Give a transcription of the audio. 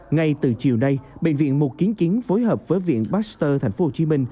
ngay từ chiều nay bệnh viện một trăm chín mươi chín phối hợp với viện pasteur tp hcm